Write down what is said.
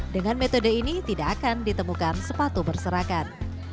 dengan metode ini tidak akan ditemukan sepatu berserakan